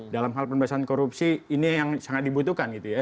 dalam hal pembahasan korupsi ini yang sangat dibutuhkan